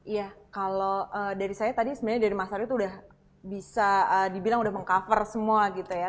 iya kalau dari saya tadi sebenarnya dari mas ari tuh udah bisa dibilang udah meng cover semua gitu ya